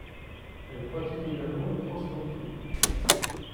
Elle pratique également le cross-country.